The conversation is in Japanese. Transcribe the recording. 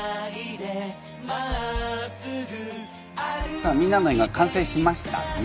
さあみんなの絵が完成しましたね。